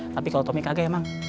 tapi kalau tommy kagak ya mang